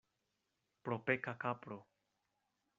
Propeka kapro.